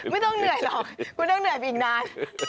ไม่ต้องเหนื่อยหรอกคุณต้องเหนื่อยไปอีกนาน